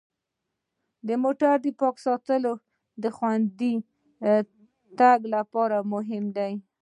د موټر پاک ساتل د خوندي تګ لپاره مهم دي.